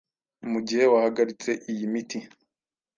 mu gihe wahagaritse iyi miti